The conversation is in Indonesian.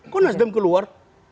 kok nasdem keluar